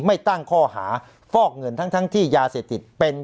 ตั้งข้อหาฟอกเงินทั้งที่ยาเสพติดเป็น